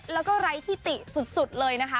แล้วก็ไร้ที่ติสุดเลยนะคะ